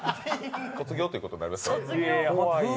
卒業ということになりますか？